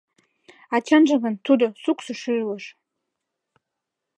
А чынжым гын Тудо — суксо шӱлыш.